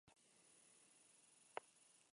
Fue observador del Partido Popular Europeo.